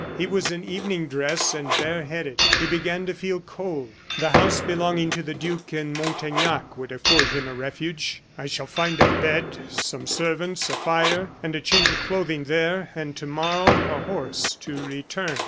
He was in evening dress and bareheaded; he began to feel cold. The house belonging to the duke in Montaignac would afford him a refuge. "I shall find a bed, some servants, a fire, and a change of clothing there and to morrow, a horse to return."